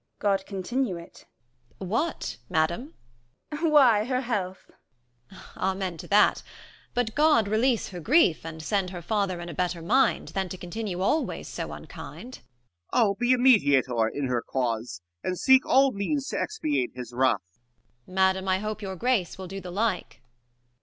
Gon. Grod continue it. 50 Amb. What, madam ? Gon. Why, her health. Amb. Amen to that : but God release her grief, And send her father in a better mind, Than to continue always so unkind. 55 Corn. I'll be a mediator in her cause, And seek all means to expiate his wrath. [_o *>^> &>v7i Amb. Madam, I hope your grace will do the like.